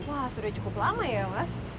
wah sudah cukup lama ya mas